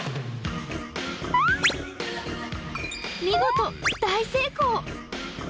見事、大成功！